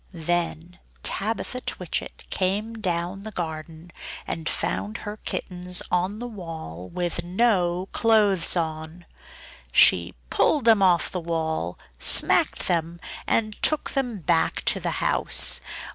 Then Tabitha Twitchit came down the garden and found her kittens on the wall with no clothes on. She pulled them off the wall, smacked them, and took them back to the house.